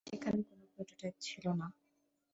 সেখানে কোন প্রোটোটাইপ ছিল না।